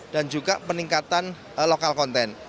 dan juga peningkatan lokal konten